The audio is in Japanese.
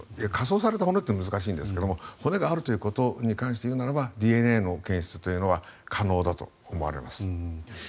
火葬された骨だと難しいんですが骨があるということに関して言うならばＤＮＡの検出は可能だと思われます。